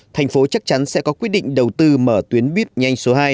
thành phố chắc chắn sẽ có quyết định đầu tư mở tuyến buýt nhanh số hai